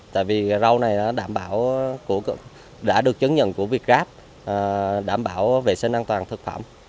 tại vì rau này đã được chứng nhận của việt ráp đảm bảo vệ sinh an toàn thực phẩm